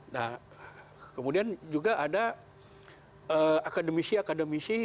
nah kemudian juga ada akademisi akademisi